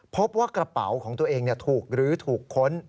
พบว่ากระเป๋าของตัวเองถูกลื้อถูกค้น